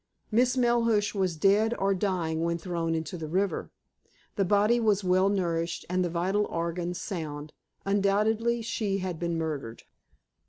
Miss Melhuish was dead or dying when thrown into the river. The body was well nourished, and the vital organs sound. Undoubtedly she had been murdered.